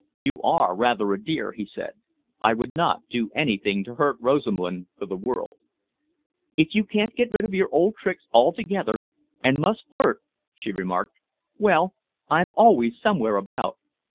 "You are rather a dear," he said. "I would not do anything to hurt Rosamund for the world." "If you can't get rid of your old tricks altogether and must flirt," she remarked, "well, I'm always somewhere about.